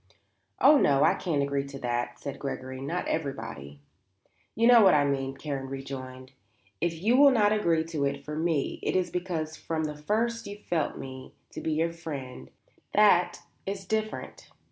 "Oh no; I can't agree to that," said Gregory. "Not everybody." "You know what I mean," Karen rejoined. "If you will not agree to it for me, it is because from the first you felt me to be your friend; that is different."